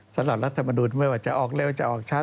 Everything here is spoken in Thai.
สำหรับรัฐมนุษย์ไม่ว่าจะออกเร็วจะออกช้า